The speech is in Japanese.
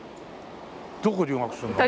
どこ留学するの？